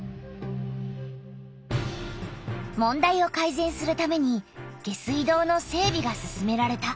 問題をかいぜんするために下水道の整びが進められた。